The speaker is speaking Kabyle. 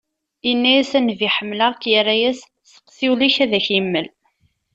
Yenna-as: "A nnbi ḥemmleɣ-k." Yerra-as: "Seqsi ul-ik ad ak-yemmel."